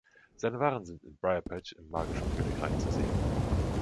Seine Waren sind in Briarpatch im magischen Königreich zu sehen.